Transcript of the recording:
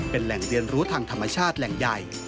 เป็นแหล่งเรียนรู้ทางธรรมชาติแหล่งใหญ่